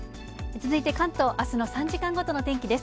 続いて関東、あすの３時間ごとの天気です。